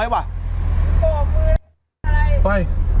หมู